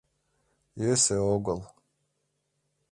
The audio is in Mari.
Йӧсӧ огыл